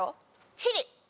チリ。